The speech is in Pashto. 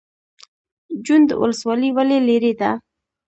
جوند ولسوالۍ ولې لیرې ده؟